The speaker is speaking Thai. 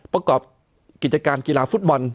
ประกอบกิจการกีฬาฟุตบอล